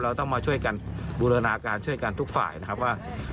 เราต้องมาช่วยกันบูรณาการช่วยกันทุกฝ่ายนะครับว่า